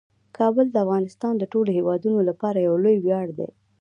کابل د افغانستان د ټولو هیوادوالو لپاره یو لوی ویاړ دی.